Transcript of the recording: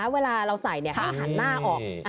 เวลาเราใส่เขาหันหน้าออก